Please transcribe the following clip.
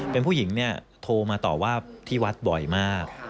เป็นผู้หญิงเนี่ยโทรมาต่อว่าที่วัดบ่อยมาก